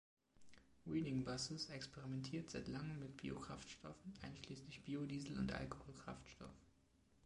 Reading Buses experimentiert seit langem mit Biokraftstoffen, einschließlich Biodiesel und Alkoholkraftstoff.